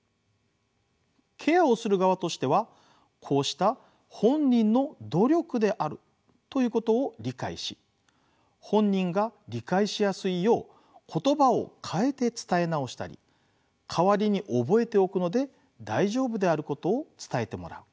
ケアをする側としてはこうした本人の努力であるということを理解し本人が理解しやすいよう言葉を変えて伝え直したり代わりに覚えておくので大丈夫であることを伝えてもらう。